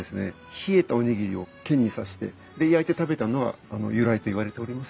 冷えたおにぎりを剣に刺してで焼いて食べたのが由来といわれております。